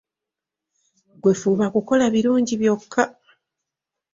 Ggwe fuba kukola birungi byokka.